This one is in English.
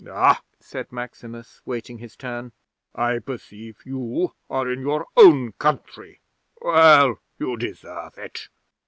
'"Ah!" said Maximus, waiting his turn. "I perceive you are in your own country. Well, you deserve it.